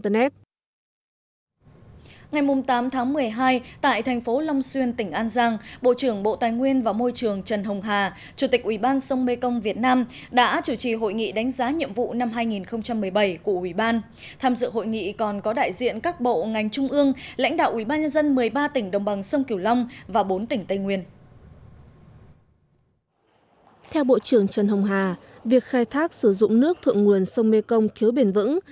theo bộ trưởng trần hồng hà việc khai thác sử dụng nước thượng nguồn sông mekong chứa bền vững